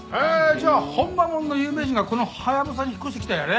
じゃあほんまもんの有名人がこのハヤブサに引っ越してきたんやね。